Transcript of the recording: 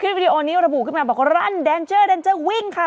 วิดีโอนี้ระบุขึ้นมาบอกว่ารั่นแดนเจอร์แดนเจอร์วิ่งค่ะ